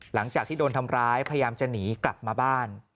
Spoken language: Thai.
หลังจากที่โดนทำร้ายพยายามจะหนีกลับมาบ้าน